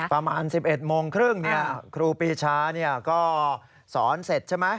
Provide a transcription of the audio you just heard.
ประมาณ๑๑โมงครึ่งครูปีชาก็สอนเสร็จใช่ไหม